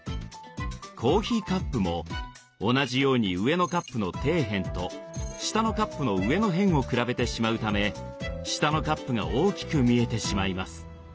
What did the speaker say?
コーヒーカップも同じように上のカップの底辺と下のカップの上の辺を比べてしまうため下のカップが大きく見えてしまいます。